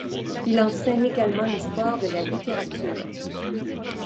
Il enseigne également l'histoire de la littérature.